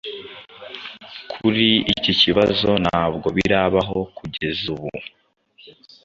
kuri iki kibazo ntabwo birabaho kugeza ubu.